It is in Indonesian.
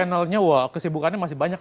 channelnya kesibukannya masih banyak